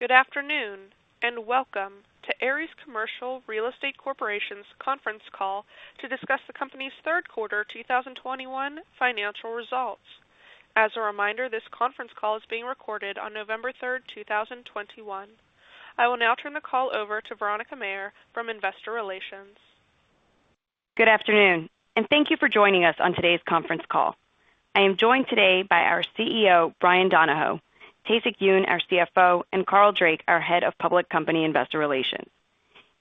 Good afternoon, and welcome to Ares Commercial Real Estate Corporation's Conference Call to discuss the company's Q3 2021 financial results. As a reminder, this conference call is being recorded on November 3, 2021. I will now turn the call over to Veronica Mayer from Investor Relations. Good afternoon, and thank you for joining us on today's conference call. I am joined today by our CEO, Bryan Donohoe, Tae-Sik Yoon, our CFO, and Carl Drake, our Head of Public Company Investor Relations.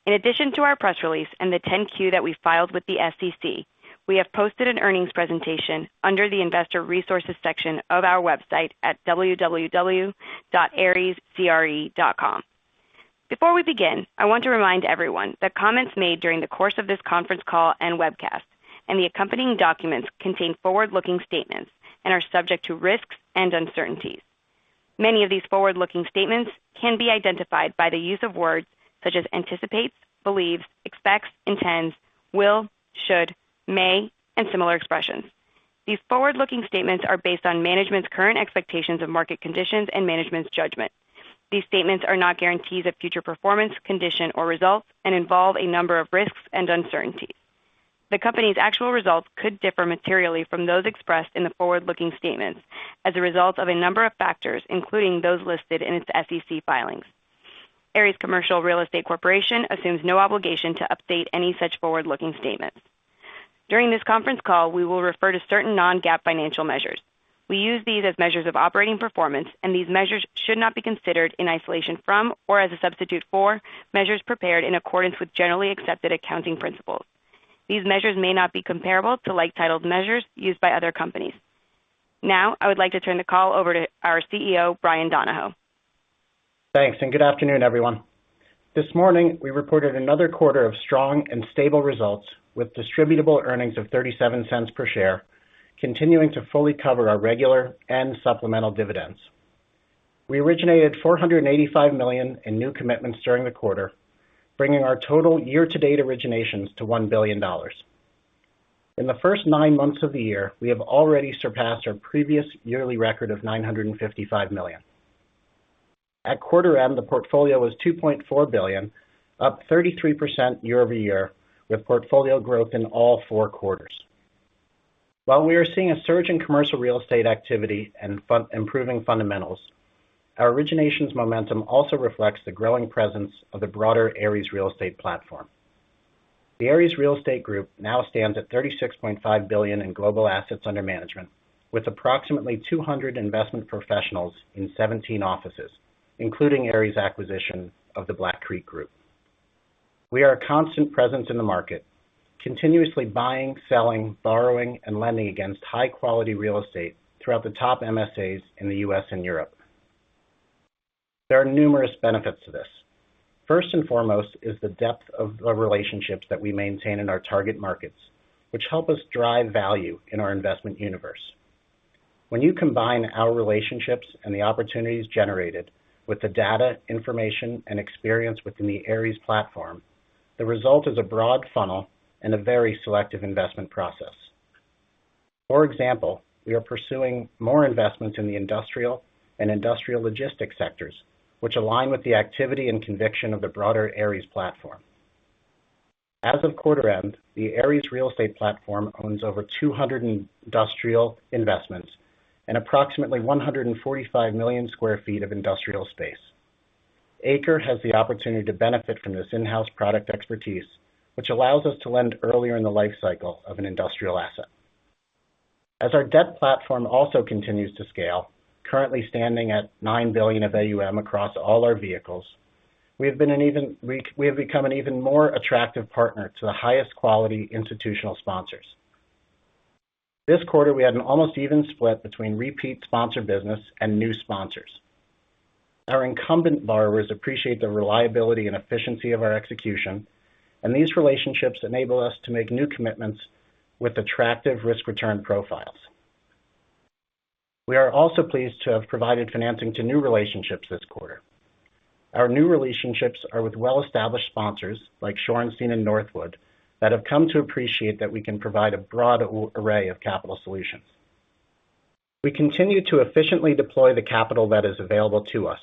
In addition to our press release and the 10-Q that we filed with the SEC, we have posted an earnings presentation under the Investor Resources section of our website at www.arescre.com. Before we begin, I want to remind everyone that comments made during the course of this conference call and webcast and the accompanying documents contain forward-looking statements and are subject to risks and uncertainties. Many of these forward-looking statements can be identified by the use of words such as anticipates, believes, expects, intends, will, should, may, and similar expressions. These forward-looking statements are based on management's current expectations of market conditions and management's judgment. These statements are not guarantees of future performance, condition, or results and involve a number of risks and uncertainties. The company's actual results could differ materially from those expressed in the forward-looking statements as a result of a number of factors, including those listed in its SEC filings. Ares Commercial Real Estate Corporation assumes no obligation to update any such forward-looking statements. During this conference call, we will refer to certain non-GAAP financial measures. We use these as measures of operating performance, and these measures should not be considered in isolation from or as a substitute for measures prepared in accordance with generally accepted accounting principles. These measures may not be comparable to like-titled measures used by other companies. Now, I would like to turn the call over to our CEO, Bryan Donohoe. Thanks, and good afternoon, everyone. This morning, we reported another quarter of strong and stable results with Distributable Earnings of $0.37 per share, continuing to fully cover our regular and supplemental dividends. We originated $485 million in new commitments during the quarter, bringing our total year-to-date originations to $1 billion. In the first nine months of the year, we have already surpassed our previous yearly record of $955 million. At quarter end, the portfolio was $2.4 billion, up 33% year-over-year, with portfolio growth in all four quarters. While we are seeing a surge in commercial real estate activity and improving fundamentals, our originations momentum also reflects the growing presence of the broader Ares real estate platform. The Ares Real Estate Group now stands at $36.5 billion in global assets under management with approximately 200 investment professionals in 17 offices, including Ares acquisition of the Black Creek Group. We are a constant presence in the market, continuously buying, selling, borrowing, and lending against high-quality real estate throughout the top MSAs in the U.S. and Europe. There are numerous benefits to this. First and foremost is the depth of the relationships that we maintain in our target markets, which help us drive value in our investment universe. When you combine our relationships and the opportunities generated with the data, information, and experience within the Ares platform, the result is a broad funnel and a very selective investment process. For example, we are pursuing more investments in the industrial logistics sectors, which align with the activity and conviction of the broader Ares platform. As of quarter end, the Ares real estate platform owns over 200 industrial investments and approximately 145 million sq ft of industrial space. ACRE has the opportunity to benefit from this in-house product expertise, which allows us to lend earlier in the life cycle of an industrial asset. As our debt platform also continues to scale, currently standing at $9 billion of AUM across all our vehicles, we have become an even more attractive partner to the highest quality institutional sponsors. This quarter, we had an almost even split between repeat sponsor business and new sponsors. Our incumbent borrowers appreciate the reliability and efficiency of our execution, and these relationships enable us to make new commitments with attractive risk-return profiles. We are also pleased to have provided financing to new relationships this quarter. Our new relationships are with well-established sponsors like Shorenstein and Northwood that have come to appreciate that we can provide a broad array of capital solutions. We continue to efficiently deploy the capital that is available to us,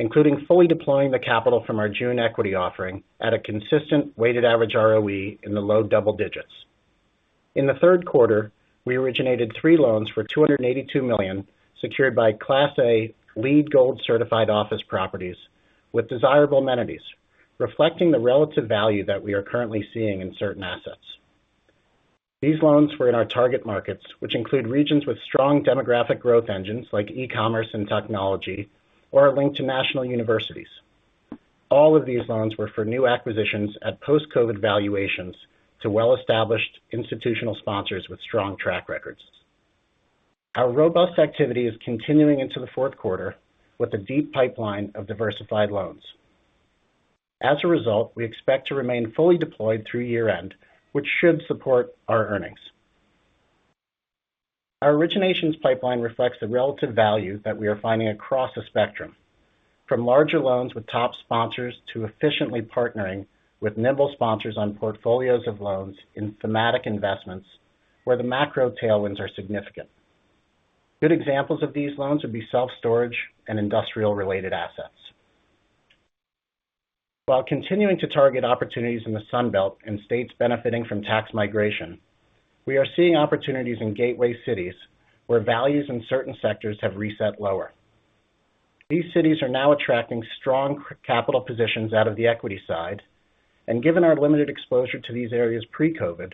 including fully deploying the capital from our June equity offering at a consistent weighted average ROE in the low double digits. In the Q3, we originated three loans for $282 million secured by Class A LEED Gold certified office properties with desirable amenities reflecting the relative value that we are currently seeing in certain assets. These loans were in our target markets, which include regions with strong demographic growth engines like e-commerce and technology or are linked to national universities. All of these loans were for new acquisitions at post-COVID valuations to well-established institutional sponsors with strong track records. Our robust activity is continuing into the Q4 with a deep pipeline of diversified loans. As a result, we expect to remain fully deployed through year-end, which should support our earnings. Our originations pipeline reflects the relative value that we are finding across the spectrum, from larger loans with top sponsors to efficiently partnering with nimble sponsors on portfolios of loans in thematic investments where the macro tailwinds are significant. Good examples of these loans would be self-storage and industrial-related assets. While continuing to target opportunities in the Sun Belt and states benefiting from tax migration, we are seeing opportunities in gateway cities where values in certain sectors have reset lower. These cities are now attracting strong capital positions out of the equity side, and given our limited exposure to these areas pre-COVID,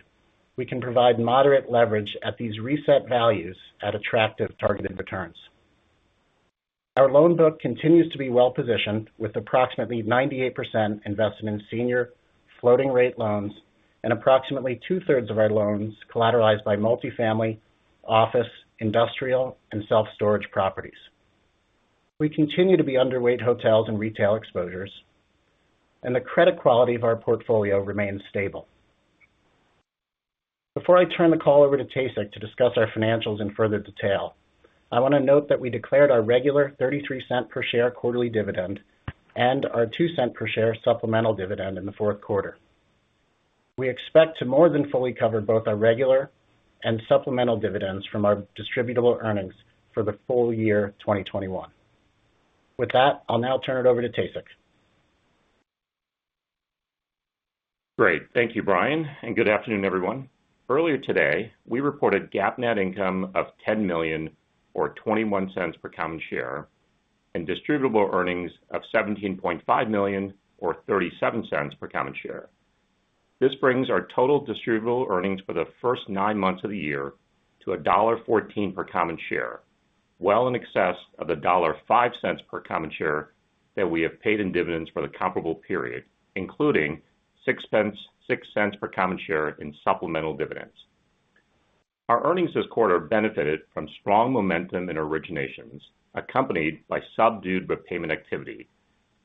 we can provide moderate leverage at these reset values at attractive targeted returns. Our loan book continues to be well-positioned, with approximately 98% invested in senior floating rate loans and approximately two-thirds of our loans collateralized by multifamily, office, industrial, and self-storage properties. We continue to be underweight hotels and retail exposures, and the credit quality of our portfolio remains stable. Before I turn the call over to Tae-Sik to discuss our financials in further detail, I want to note that we declared our regular $0.33 per share quarterly dividend and our $0.02 per share supplemental dividend in the Q4. We expect to more than fully cover both our regular and supplemental dividends from our Distributable Earnings for the full year 2021. With that, I'll now turn it over to Tae-Sik. Great. Thank you, Bryan, and good afternoon, everyone. Earlier today, we reported GAAP net income of $10 million or $0.21 per common share and Distributable Earnings of $17.5 million or $0.37 per common share. This brings our total Distributable Earnings for the first nine months of the year to $1.14 per common share, well in excess of the $1.05 per common share that we have paid in dividends for the comparable period, including $0.06 per common share in supplemental dividends. Our earnings this quarter benefited from strong momentum in originations accompanied by subdued repayment activity,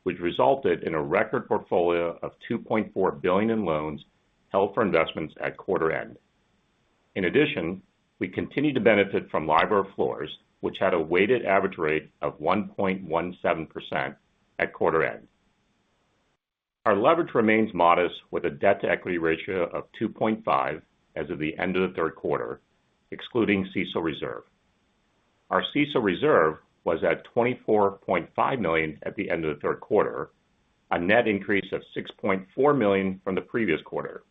which resulted in a record portfolio of $2.4 billion in loans held for investments at quarter end. In addition, we continued to benefit from LIBOR floors, which had a weighted average rate of 1.17% at quarter end. Our leverage remains modest, with a debt-to-equity ratio of 2.5 as of the end of the Q3, excluding CECL reserve. Our CECL reserve was at $24.5 million at the end of the Q3, a net increase of $6.4 million from the previous quarter.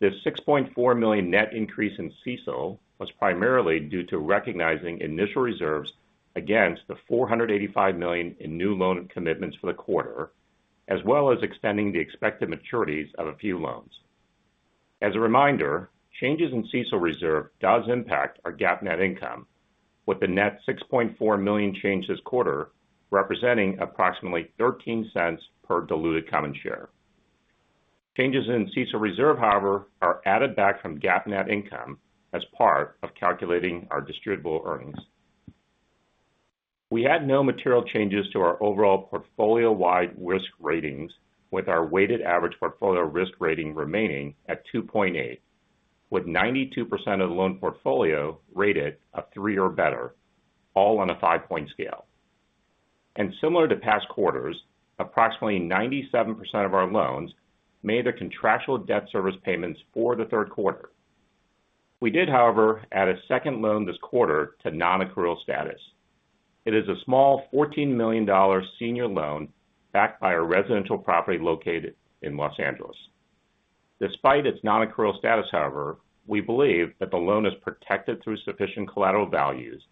This $6.4 million net increase in CECL was primarily due to recognizing initial reserves against the $485 million in new loan commitments for the quarter, as well as extending the expected maturities of a few loans. As a reminder, changes in CECL reserve does impact our GAAP net income, with the net $6.4 million change this quarter representing approximately $0.13 per diluted common share. Changes in CECL reserve, however, are added back from GAAP net income as part of calculating our distributable earnings. We had no material changes to our overall portfolio-wide risk ratings, with our weighted average portfolio risk rating remaining at 2.8, with 92% of the loan portfolio rated a three or better, all on a 5-point scale. Similar to past quarters, approximately 97% of our loans made their contractual debt service payments for the Q3. We did, however, add a second loan this quarter to non-accrual status. It is a small $14 million senior loan backed by a residential property located in Los Angeles. Despite its non-accrual status, however, we believe that the loan is protected through sufficient collateral values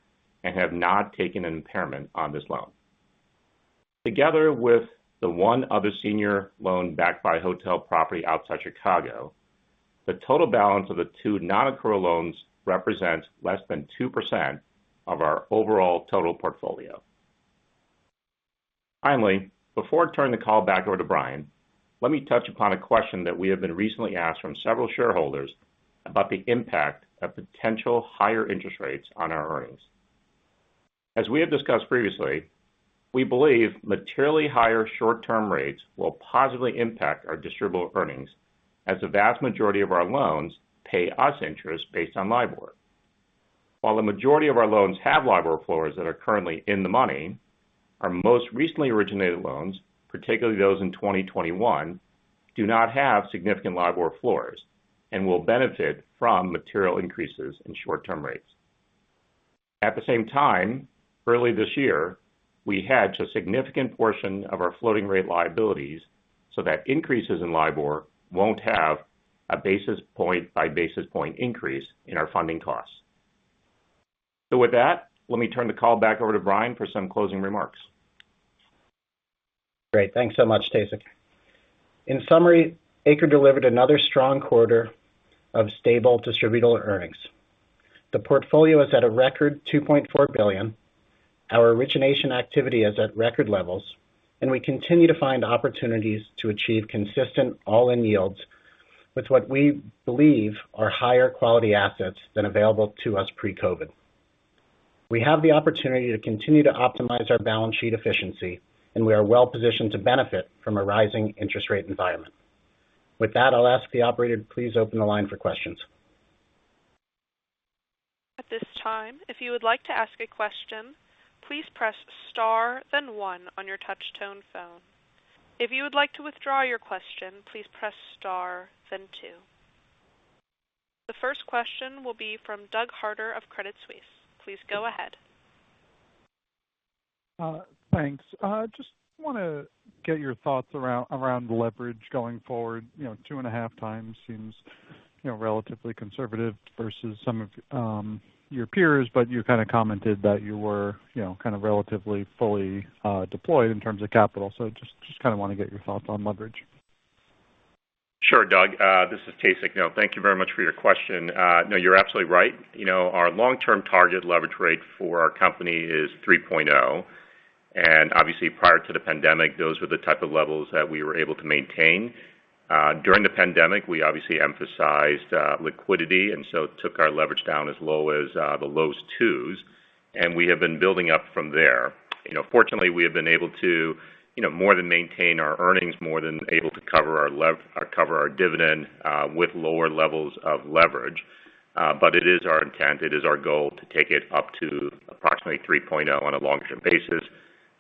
and have not taken an impairment on this loan. Together with the one other senior loan backed by a hotel property outside Chicago, the total balance of the two non-accrual loans represents less than 2% of our overall total portfolio. Finally, before I turn the call back over to Bryan, let me touch upon a question that we have been recently asked from several shareholders about the impact of potential higher interest rates on our earnings. As we have discussed previously, we believe materially higher short-term rates will positively impact our distributable earnings as the vast majority of our loans pay us interest based on LIBOR. While the majority of our loans have LIBOR floors that are currently in the money, our most recently originated loans, particularly those in 2021, do not have significant LIBOR floors and will benefit from material increases in short-term rates. At the same time, early this year, we hedged a significant portion of our floating rate liabilities so that increases in LIBOR won't have a basis point by basis point increase in our funding costs. With that, let me turn the call back over to Bryan for some closing remarks. Great. Thanks so much, Tasek. In summary, ACRE delivered another strong quarter of stable distributable earnings. The portfolio is at a record $2.4 billion. Our origination activity is at record levels, and we continue to find opportunities to achieve consistent all-in yields with what we believe are higher quality assets than available to us pre-COVID. We have the opportunity to continue to optimize our balance sheet efficiency, and we are well positioned to benefit from a rising interest rate environment. With that, I'll ask the operator to please open the line for questions. The first question will be from Douglas Harter of Credit Suisse. Please go ahead. Thanks. I just wanna get your thoughts around leverage going forward. You know, 2.5 times seems, you know, relatively conservative versus some of your peers, but you kinda commented that you were, you know, kind of relatively fully deployed in terms of capital. Just kinda wanna get your thoughts on leverage. Sure, Doug. This is Tae-Sik Yoon. No, thank you very much for your question. No, you're absolutely right. You know, our long-term target leverage rate for our company is 3.0. Obviously, prior to the pandemic, those were the type of levels that we were able to maintain. During the pandemic, we obviously emphasized liquidity, and so took our leverage down as low as the lowest 2s, and we have been building up from there. You know, fortunately, we have been able to, you know, more than maintain our earnings, more than able to cover our dividend with lower levels of leverage. It is our intent, it is our goal to take it up to approximately 3.0 on a longer term basis.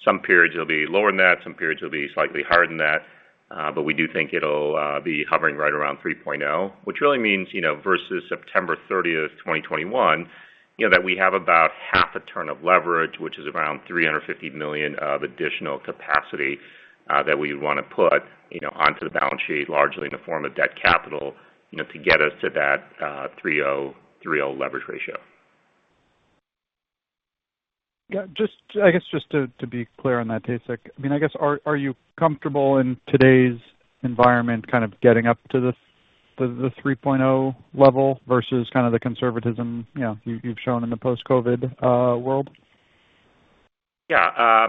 Some periods it'll be lower than that, some periods it'll be slightly higher than that, but we do think it'll be hovering right around 3.0, which really means, you know, versus September 30, 2021, you know, that we have about half a turn of leverage, which is around $350 million of additional capacity that we wanna put, you know, onto the balance sheet, largely in the form of debt capital, you know, to get us to that 3.0-3.0 leverage ratio. Yeah, I guess just to be clear on that, Tae-Sik, I mean, I guess, are you comfortable in today's environment kind of getting up to the 3.0 level versus kind of the conservatism, you know, you've shown in the post-COVID world? Yeah,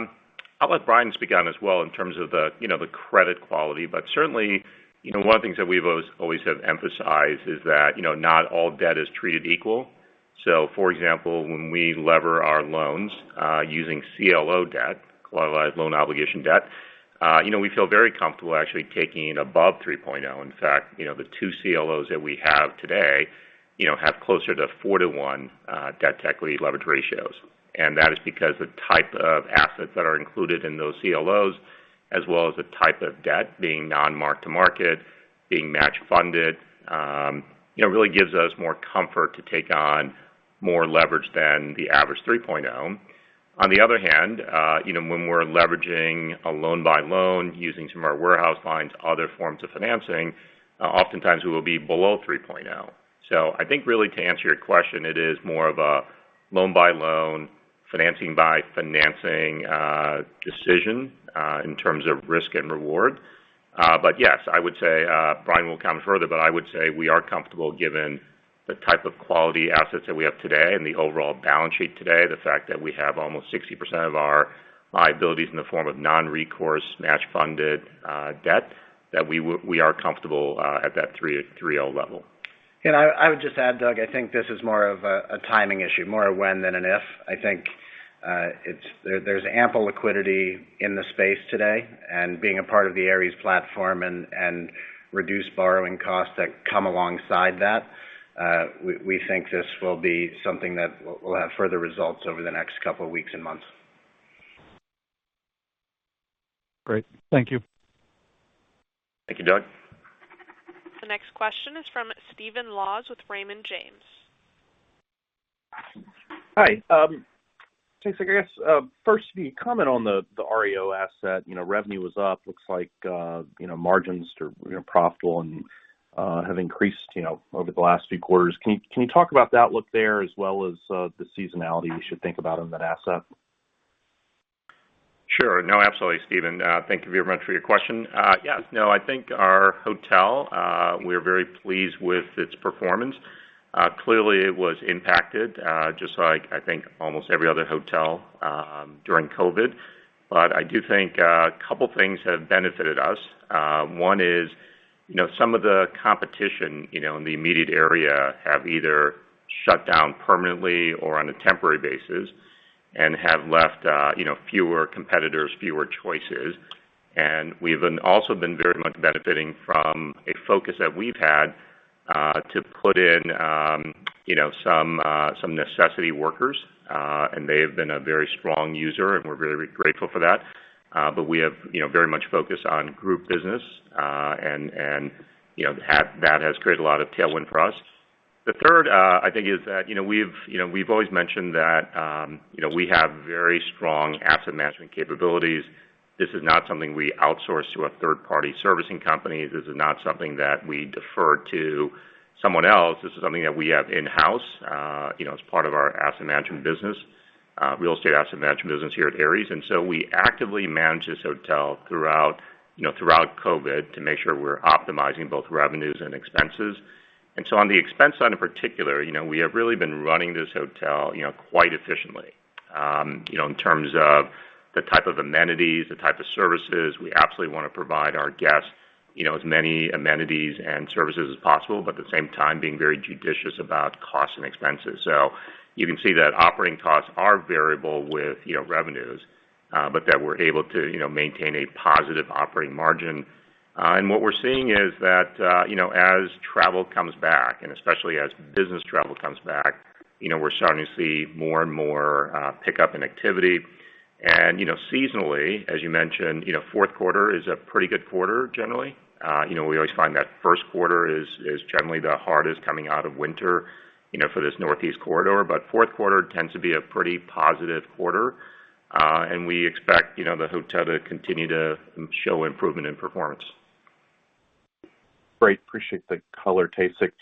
I'll let Bryan speak on as well in terms of the, you know, the credit quality. Certainly, you know, one of the things that we've always have emphasized is that, you know, not all debt is treated equal. For example, when we lever our loans using CLO debt, collateralized loan obligation debt, you know, we feel very comfortable actually taking it above 3.0. In fact, you know, the two CLOs that we have today, you know, have closer to 4-to-1 debt-to-equity leverage ratios. That is because the type of assets that are included in those CLOs, as well as the type of debt being non-mark-to-market, being match funded, you know, really gives us more comfort to take on more leverage than the average 3.0. On the other hand, you know, when we're leveraging a loan-by-loan using some of our warehouse lines, other forms of financing, oftentimes we will be below 3.0. So I think really to answer your question, it is more of a loan-by-loan, financing-by-financing decision in terms of risk and reward. But yes, I would say, Bryan will comment further, but I would say we are comfortable given the type of quality assets that we have today and the overall balance sheet today, the fact that we have almost 60% of our liabilities in the form of non-recourse match-funded debt, that we are comfortable at that 3.0 level. I would just add, Doug, I think this is more of a timing issue, more a when than an if. I think it's there's ample liquidity in the space today, and being a part of the Ares platform and reduced borrowing costs that come alongside that, we think this will be something that will have further results over the next couple of weeks and months. Great. Thank you. Thank you, Doug. The next question is from Stephen Laws with Raymond James. Hi. Tae-Sik, I guess, first, can you comment on the REO asset, you know, revenue was up. Looks like, you know, margins are, you know, profitable and have increased, you know, over the last few quarters. Can you talk about the outlook there as well as the seasonality we should think about in that asset? Sure. No, absolutely, Stephen. Thank you very much for your question. Yes. No, I think our hotel, we're very pleased with its performance. Clearly, it was impacted, just like I think almost every other hotel, during COVID. I do think a couple things have benefited us. One is, you know, some of the competition, you know, in the immediate area have either shut down permanently or on a temporary basis and have left, you know, fewer competitors, fewer choices. We've also been very much benefiting from a focus that we've had to put in, you know, some essential workers, and they have been a very strong user, and we're very grateful for that. We have, you know, very much focused on group business, and, you know, that has created a lot of tailwind for us. The third, I think is that, you know, we've, you know, we've always mentioned that, you know, we have very strong asset management capabilities. This is not something we outsource to a third-party servicing company. This is not something that we defer to someone else. This is something that we have in-house, you know, as part of our asset management business, real estate asset management business here at Ares. We actively manage this hotel throughout, you know, throughout COVID to make sure we're optimizing both revenues and expenses. On the expense side in particular, you know, we have really been running this hotel, you know, quite efficiently, you know, in terms of the type of amenities, the type of services. We absolutely wanna provide our guests, you know, as many amenities and services as possible, but at the same time, being very judicious about costs and expenses. You can see that operating costs are variable with, you know, revenues, but that we're able to, you know, maintain a positive operating margin. What we're seeing is that, you know, as travel comes back, and especially as business travel comes back, you know, we're starting to see more and more, pickup in activity. You know, seasonally, as you mentioned, you know, Q4 is a pretty good quarter generally. You know, we always find that Q1 is generally the hardest coming out of winter, you know, for this Northeast Corridor. Q4 tends to be a pretty positive quarter, and we expect, you know, the hotel to continue to show improvement in performance. Great. Appreciate the color, Tae-Sik.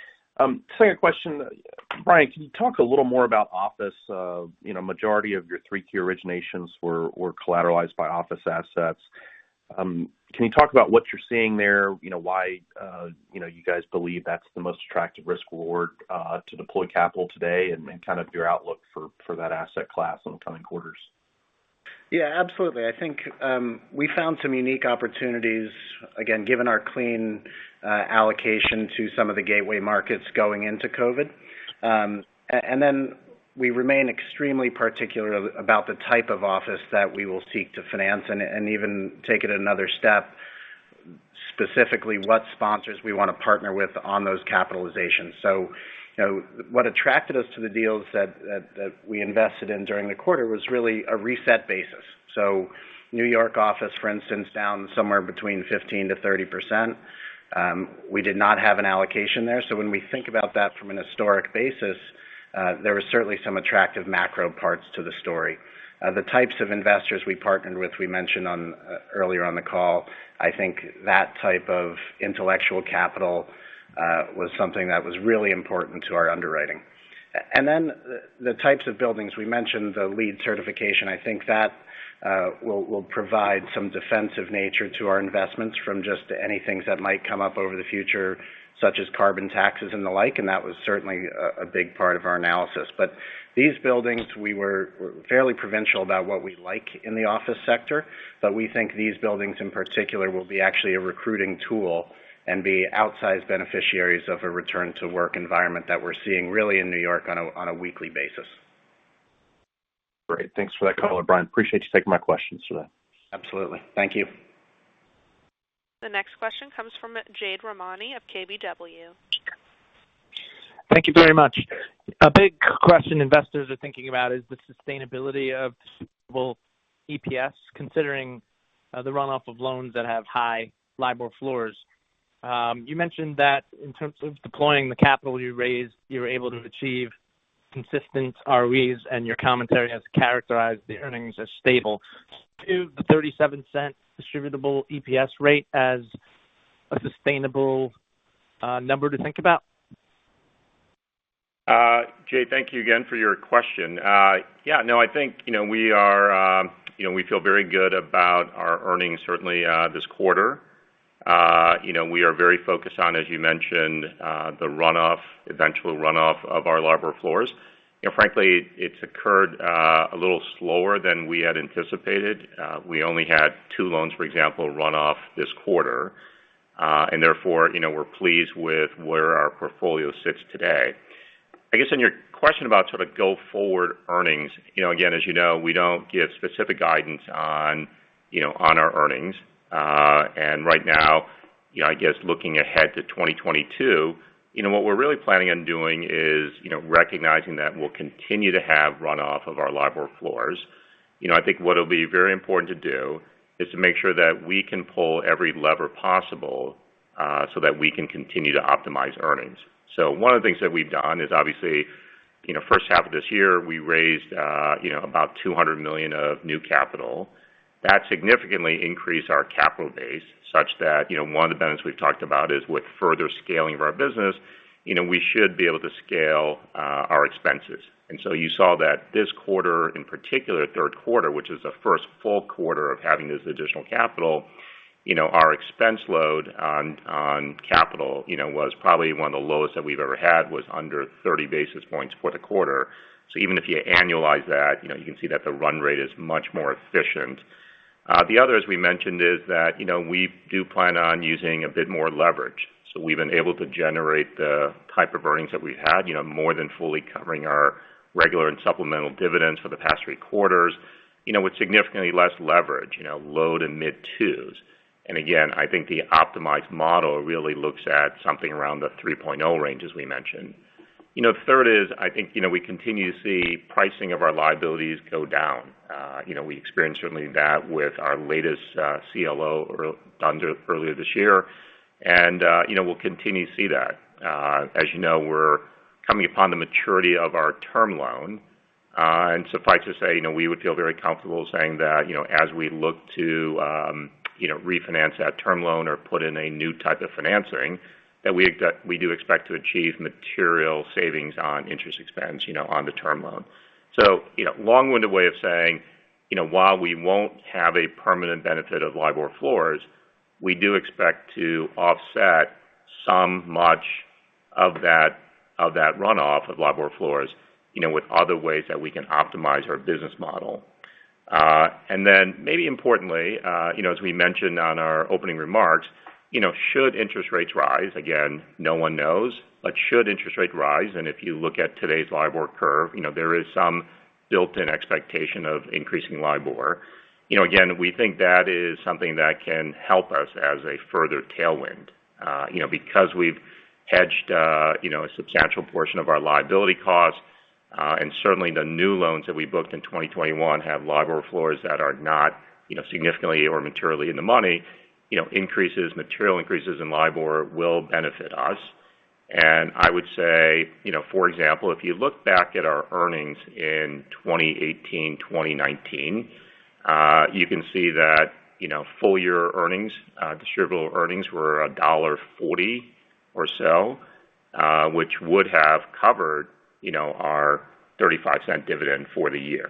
Second question. Bryan, can you talk a little more about office? You know, majority of your three key originations were collateralized by office assets. Can you talk about what you're seeing there, you know, why, you know, you guys believe that's the most attractive risk reward to deploy capital today and kind of your outlook for that asset class in the coming quarters? Yeah, absolutely. I think we found some unique opportunities, again, given our clean allocation to some of the gateway markets going into COVID. And then we remain extremely particular about the type of office that we will seek to finance and even take it another step, specifically, what sponsors we wanna partner with on those capitalizations. You know, what attracted us to the deals that we invested in during the quarter was really a reset basis. New York office, for instance, down somewhere between 15%-30%. We did not have an allocation there, so when we think about that from an historic basis, there was certainly some attractive macro parts to the story. The types of investors we partnered with, we mentioned on earlier on the call. I think that type of intellectual capital was something that was really important to our underwriting. Then the types of buildings, we mentioned the LEED certification. I think that will provide some defensive nature to our investments from just any things that might come up over the future, such as carbon taxes and the like, and that was certainly a big part of our analysis. These buildings, we were fairly provincial about what we like in the office sector. We think these buildings in particular will be actually a recruiting tool and be outsized beneficiaries of a return to work environment that we're seeing really in New York on a weekly basis. Great. Thanks for that color, Bryan. I appreciate you taking my questions today. Absolutely. Thank you. The next question comes from Jade Rahmani of KBW. Thank you very much. A big question investors are thinking about is the sustainability of distributable EPS, considering the runoff of loans that have high LIBOR floors. You mentioned that in terms of deploying the capital you raised, you were able to achieve consistent ROEs, and your commentary has characterized the earnings as stable to the $0.37 distributable EPS rate as a sustainable number to think about. Jade, thank you again for your question. Yeah, no, I think, you know, we are, you know, we feel very good about our earnings certainly, this quarter. You know, we are very focused on, as you mentioned, the runoff, eventual runoff of our LIBOR floors. You know, frankly, it's occurred a little slower than we had anticipated. We only had 2 loans, for example, run off this quarter, and therefore, you know, we're pleased with where our portfolio sits today. I guess in your question about sort of go-forward earnings, you know, again, as you know, we don't give specific guidance on, you know, on our earnings. Right now, you know, I guess looking ahead to 2022, you know, what we're really planning on doing is, you know, recognizing that we'll continue to have runoff of our LIBOR floors. You know, I think what it'll be very important to do is to make sure that we can pull every lever possible, so that we can continue to optimize earnings. One of the things that we've done is obviously, you know, first half of this year, we raised about $200 million of new capital. That significantly increased our capital base such that, you know, one of the benefits we've talked about is with further scaling of our business, you know, we should be able to scale our expenses. You saw that this quarter in particular, Q3, which is the first full quarter of having this additional capital, you know, our expense load on capital, you know, was probably one of the lowest that we've ever had, was under 30 basis points for the quarter. Even if you annualize that, you know, you can see that the run rate is much more efficient. The other, as we mentioned, is that, you know, we do plan on using a bit more leverage. We've been able to generate the type of earnings that we had, you know, more than fully covering our regular and supplemental dividends for the past three quarters, you know, with significantly less leverage, you know, low to mid 2s. I think the optimized model really looks at something around the 3.0 range, as we mentioned. You know, the third is, I think, you know, we continue to see pricing of our liabilities go down. You know, we experienced certainly that with our latest CLO earlier this year, and, you know, we'll continue to see that. As you know, we're coming upon the maturity of our term loan, and suffice to say, you know, we would feel very comfortable saying that, you know, as we look to, you know, refinance that term loan or put in a new type of financing, that we do expect to achieve material savings on interest expense, you know, on the term loan. You know, long-winded way of saying, you know, while we won't have a permanent benefit of LIBOR floors, we do expect to offset somewhat that runoff of LIBOR floors, you know, with other ways that we can optimize our business model. Maybe importantly, you know, as we mentioned on our opening remarks, you know, should interest rates rise, again, no one knows, but if you look at today's LIBOR curve, you know, there is some built-in expectation of increasing LIBOR. You know, again, we think that is something that can help us as a further tailwind. You know, because we've hedged, you know, a substantial portion of our liability costs, and certainly the new loans that we booked in 2021 have LIBOR floors that are not, you know, significantly or materially in the money, you know, material increases in LIBOR will benefit us. I would say, you know, for example, if you look back at our earnings in 2018, 2019, you can see that, you know, full year earnings, Distributable Earnings were $1.40 or so, which would have covered, you know, our 35-cent dividend for the year.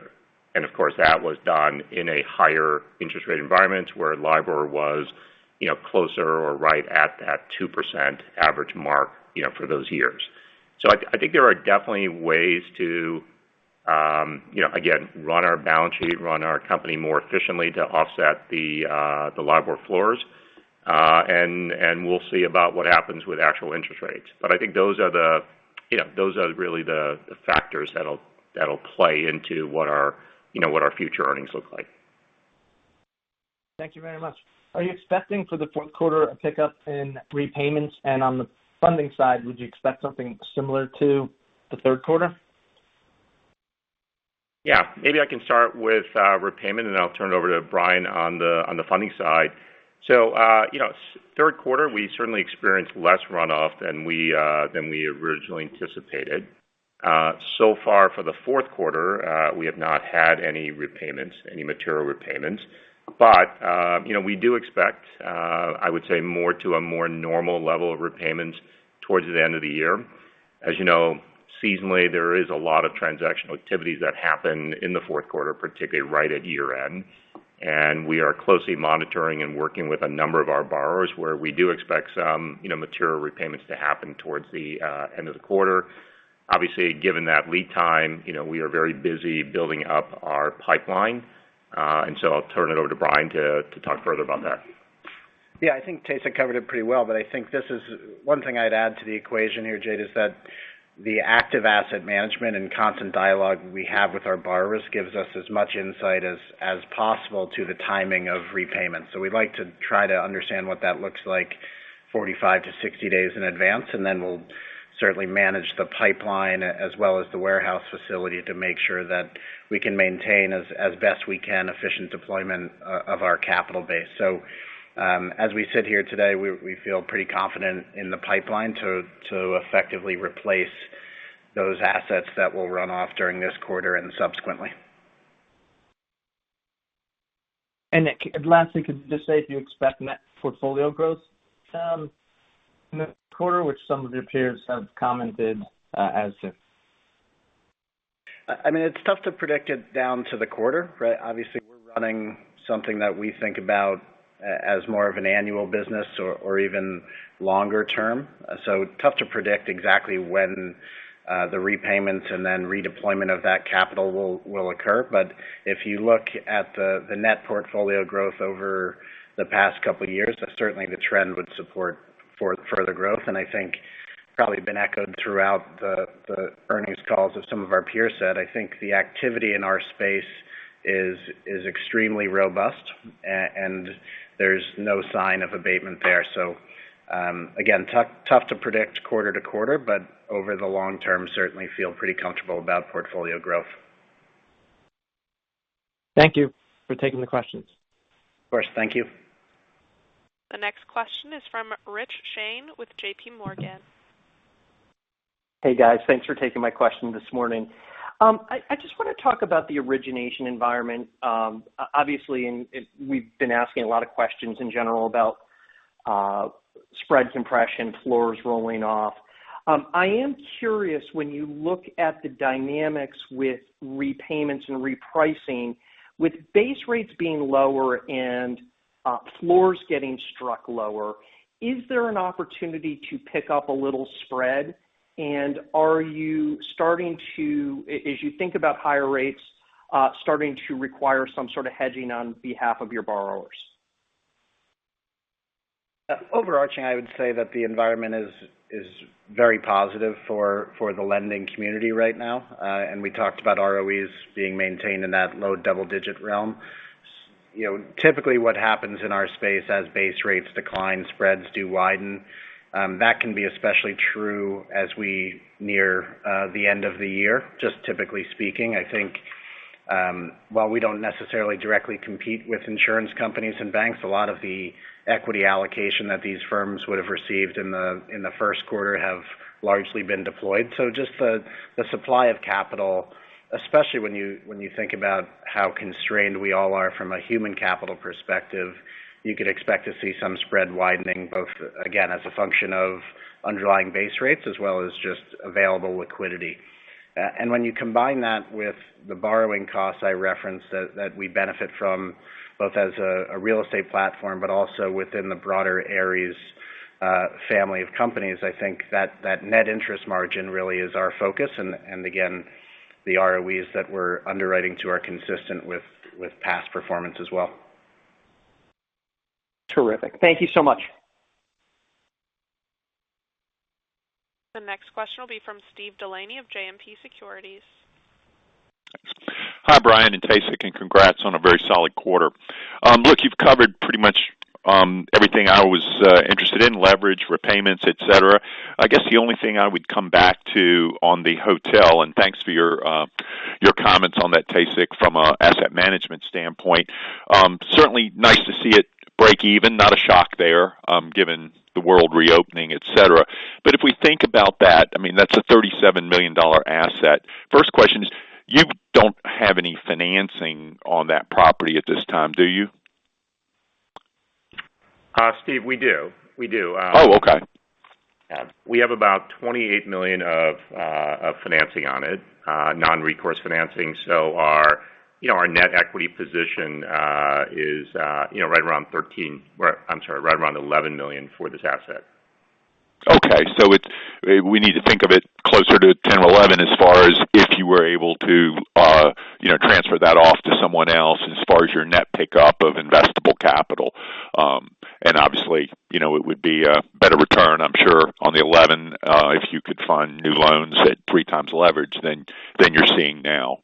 Of course, that was done in a higher interest rate environment where LIBOR was, you know, closer or right at that 2% average mark, you know, for those years. I think there are definitely ways to, you know, again, run our balance sheet, run our company more efficiently to offset the LIBOR floors. We'll see about what happens with actual interest rates. I think those are really the factors that'll play into what our future earnings look like. Thank you very much. Are you expecting for the Q4 a pickup in repayments? On the funding side, would you expect something similar to the Q3? Yeah. Maybe I can start with repayment, and I'll turn it over to Bryan on the funding side. You know, Q3, we certainly experienced less runoff than we originally anticipated. So far for the Q4, we have not had any repayments, any material repayments. You know, we do expect, I would say, more normal level of repayments towards the end of the year. As you know, seasonally, there is a lot of transactional activities that happen in the Q4, particularly right at year-end. We are closely monitoring and working with a number of our borrowers where we do expect some material repayments to happen towards the end of the quarter. Obviously, given that lead time, you know, we are very busy building up our pipeline. I'll turn it over to Bryan to talk further about that. Yeah. I think Tase covered it pretty well, but one thing I'd add to the equation here, Jade, is that the active asset management and constant dialogue we have with our borrowers gives us as much insight as possible to the timing of repayments. We'd like to try to understand what that looks like 45-60 days in advance, and then we'll certainly manage the pipeline as well as the warehouse facility to make sure that we can maintain as best we can efficient deployment of our capital base. As we sit here today, we feel pretty confident in the pipeline to effectively replace those assets that will run off during this quarter and subsequently. Lastly, could you just say if you expect net portfolio growth in the quarter, which some of your peers have commented as to? I mean, it's tough to predict it down to the quarter, right? Obviously, we're running something that we think about as more of an annual business or even longer term. Tough to predict exactly when the repayments and then redeployment of that capital will occur. If you look at the net portfolio growth over the past couple of years, certainly the trend would support for further growth. I think it's probably been echoed throughout the earnings calls of some of our peers. I think the activity in our space is extremely robust and there's no sign of abatement there. Again, tough to predict quarter to quarter, but over the long term, certainly feel pretty comfortable about portfolio growth. Thank you for taking the questions. Of course. Thank you. The next question is from Rich Shane with J.P. Morgan. Hey, guys. Thanks for taking my question this morning. I just wanna talk about the origination environment. Obviously, we've been asking a lot of questions in general about spread compression, floors rolling off. I am curious when you look at the dynamics with repayments and repricing, with base rates being lower and floors getting struck lower, is there an opportunity to pick up a little spread? Are you starting to, as you think about higher rates, require some sort of hedging on behalf of your borrowers? Overarching, I would say that the environment is very positive for the lending community right now. We talked about ROEs being maintained in that low double-digit realm. You know, typically what happens in our space as base rates decline, spreads do widen. That can be especially true as we near the end of the year, just typically speaking. I think, while we don't necessarily directly compete with insurance companies and banks, a lot of the equity allocation that these firms would have received in the Q1 have largely been deployed. Just the supply of capital, especially when you think about how constrained we all are from a human capital perspective, you could expect to see some spread widening, both again, as a function of underlying base rates as well as just available liquidity. when you combine that with the borrowing costs I referenced that we benefit from both as a real estate platform, but also within the broader Ares family of companies, I think that net interest margin really is our focus. Again, the ROEs that we're underwriting to are consistent with past performance as well. Terrific. Thank you so much. The next question will be from Steve DeLaney of Citizens JMP Securities. Hi, Bryan and Tae-Sik Yoon, and congrats on a very solid quarter. Look, you've covered pretty much everything I was interested in, leverage, repayments, et cetera. I guess the only thing I would come back to on the hotel, and thanks for your comments on that, Tae-Sik Yoon, from a asset management standpoint. Certainly nice to see it break even, not a shock there, given the world reopening, et cetera. If we think about that, I mean, that's a $37 million asset. First question is, you don't have any financing on that property at this time, do you? Steve, we do. Oh, okay. We have about $28 million of financing on it, non-recourse financing. Our, you know, our net equity position is, you know, right around $11 million for this asset. Okay. We need to think of it closer to 10 or 11 as far as if you were able to, you know, transfer that off to someone else as far as your net pickup of investable capital. Obviously, you know, it would be a better return, I'm sure, on the 11, if you could find new loans at 3 times leverage than you're seeing now.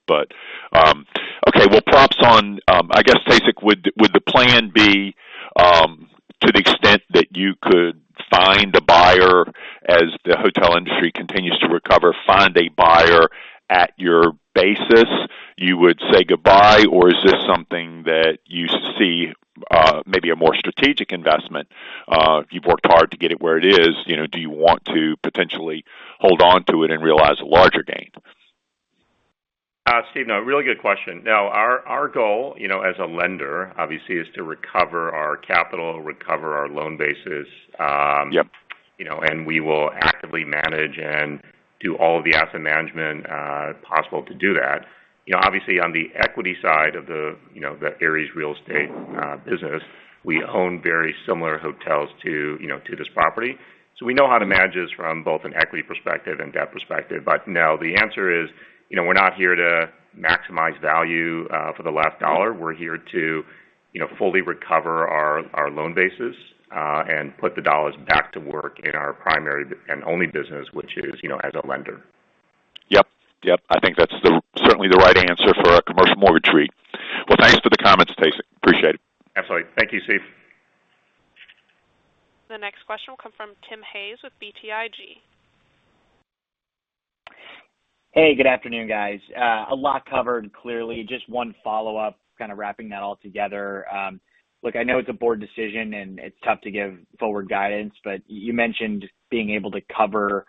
Okay. Well, props on. I guess, Tae-Sik, would the plan be, to the extent that you could find a buyer as the hotel industry continues to recover, find a buyer at your basis, you would say goodbye, or is this something that you see, maybe a more strategic investment? You've worked hard to get it where it is, you know. Do you want to potentially hold on to it and realize a larger gain? Steve, no, really good question. Now, our goal, you know, as a lender, obviously, is to recover our capital, recover our loan basis. Yep. You know, we will actively manage and do all of the asset management possible to do that. You know, obviously, on the equity side of the, you know, the Ares Real Estate business, we own very similar hotels to, you know, to this property. So we know how to manage this from both an equity perspective and debt perspective. But no, the answer is, you know, we're not here to maximize value for the last dollar. We're here to, you know, fully recover our loan basis and put the dollars back to work in our primary and only business, which is, you know, as a lender. Yep. I think that's certainly the right answer for a commercial mortgage REIT. Well, thanks for the comments, Tasekh. Appreciate it. Absolutely. Thank you, Steve. The next question will come from Timothy Hayes with BTIG. Hey, good afternoon, guys. A lot covered, clearly. Just one follow-up, kind of wrapping that all together. Look, I know it's a board decision, and it's tough to give forward guidance, but you mentioned being able to cover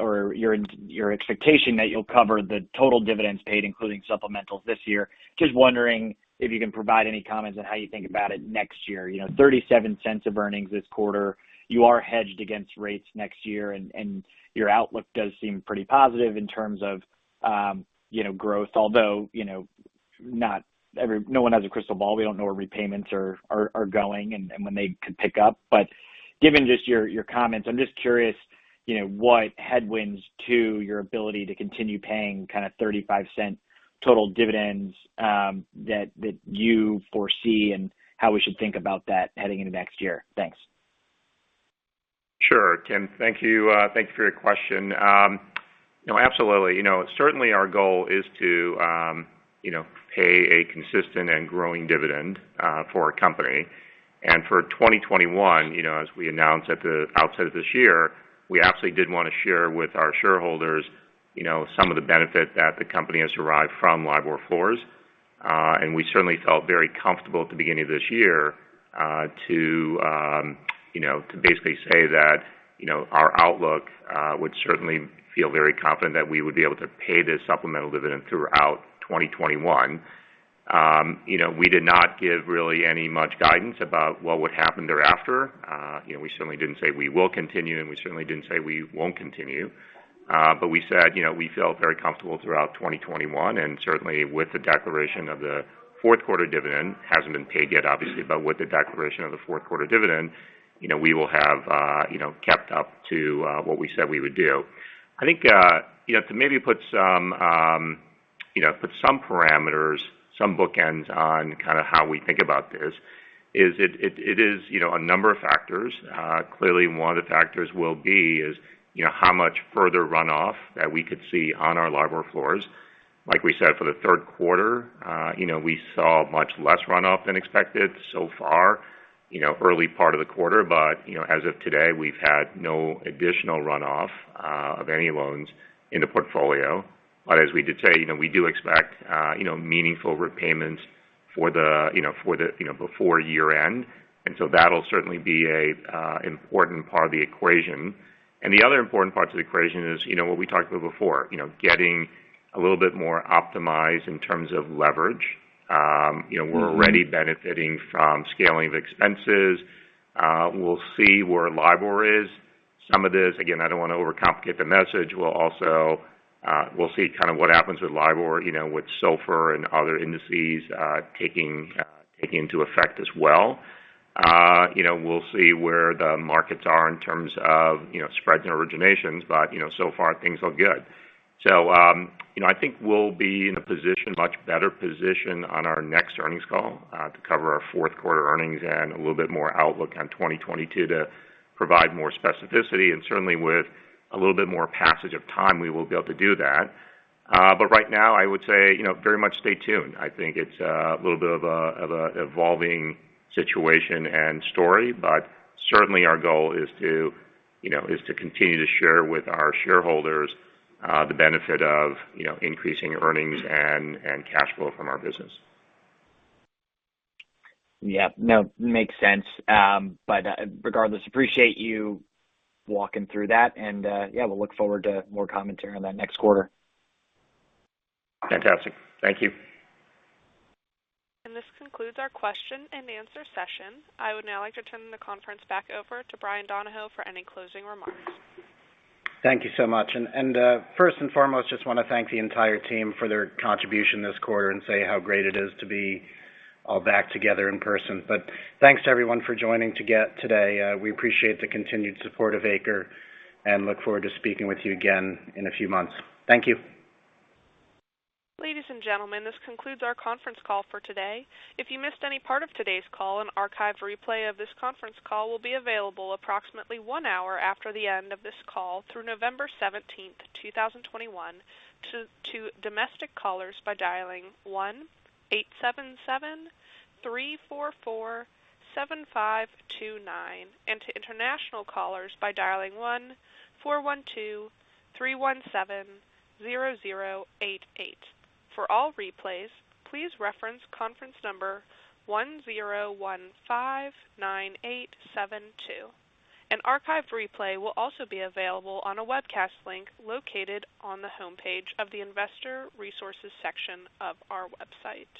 or your expectation that you'll cover the total dividends paid, including supplementals this year. Just wondering if you can provide any comments on how you think about it next year. You know, $0.37 of earnings this quarter. You are hedged against rates next year, and your outlook does seem pretty positive in terms of, you know, growth. Although, you know, no one has a crystal ball. We don't know where repayments are going and when they could pick up. Given just your comments, I'm just curious, you know, what headwinds to your ability to continue paying kind of $0.35 total dividends that you foresee and how we should think about that heading into next year. Thanks. Sure, Tim. Thank you for your question. No, absolutely. You know, certainly our goal is to pay a consistent and growing dividend for our company. For 2021, you know, as we announced at the outset of this year, we absolutely did wanna share with our shareholders, you know, some of the benefit that the company has derived from LIBOR floors. We certainly felt very comfortable at the beginning of this year to basically say that, you know, our outlook would certainly feel very confident that we would be able to pay this supplemental dividend throughout 2021. You know, we did not give really any much guidance about what would happen thereafter. You know, we certainly didn't say we will continue, and we certainly didn't say we won't continue. We said, you know, we felt very comfortable throughout 2021. Certainly with the declaration of the Q4 dividend, hasn't been paid yet, obviously, but with the declaration of the Q4 dividend, you know, we will have, you know, kept up to, what we said we would do. I think, you know, to maybe put some parameters, some bookends on kind of how we think about this. It is, you know, a number of factors. Clearly one of the factors will be, you know, how much further runoff that we could see on our LIBOR floors. Like we said, for the Q3, you know, we saw much less runoff than expected so far, you know, early part of the quarter. you know, as of today, we've had no additional runoff of any loans in the portfolio. as we did say, you know, we do expect, you know, meaningful repayments before year-end. that'll certainly be a important part of the equation. The other important parts of the equation is, you know, what we talked about before, you know, getting a little bit more optimized in terms of leverage. you know- Mm-hmm. We're already benefiting from scaling of expenses. We'll see where LIBOR is. Some of this, again, I don't wanna overcomplicate the message. We'll see kind of what happens with LIBOR, you know, with SOFR and other indices, taking effect as well. You know, we'll see where the markets are in terms of, you know, spreads and originations. You know, so far, things look good. I think we'll be in a much better position on our next earnings call to cover our Q4 earnings and a little bit more outlook on 2022 to provide more specificity. Certainly with a little bit more passage of time, we will be able to do that. Right now, I would say, you know, very much stay tuned. I think it's a little bit of a evolving situation and story, but certainly our goal is to continue to share with our shareholders the benefit of you know increasing earnings and cash flow from our business. Yeah. No, makes sense. But regardless, appreciate you walking through that and, yeah, we'll look forward to more commentary on that next quarter. Fantastic. Thank you. This concludes our question and answer session. I would now like to turn the conference back over to Bryan Donohoe for any closing remarks. Thank you so much. First and foremost, just wanna thank the entire team for their contribution this quarter and say how great it is to be all back together in person. Thanks to everyone for joining today. We appreciate the continued support of ACRE and look forward to speaking with you again in a few months. Thank you. Ladies and gentlemen, this concludes our conference call for today. If you missed any part of today's call, an archived replay of this conference call will be available approximately one hour after the end of this call through November 17, 2021, to domestic callers by dialing 1-877-344-7529, and to international callers by dialing 1-412-317-0088. For all replays, please reference conference number 10159872. An archived replay will also be available on a webcast link located on the homepage of the Investor Resources section of our website.